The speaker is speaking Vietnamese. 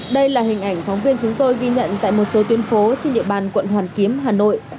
đây là hình ảnh phóng viên chúng tôi ghi nhận tại một số tuyến phố trên địa bàn quận hoàn kiếm hà nội